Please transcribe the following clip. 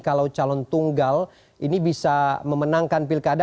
kalau calon tunggal ini bisa memenangkan pilkada